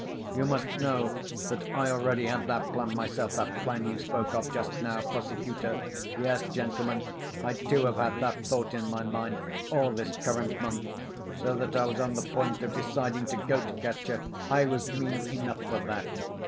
You must know that I already had that plan myself, that plan you spoke of, just now, prosecutor! Yes, gentlemen, I, too, have had that thought in my mind all this current month, so that I was on the point of deciding to go to Katya—I was mean enough for that.